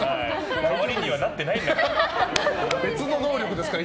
代わりにはなってないんだから。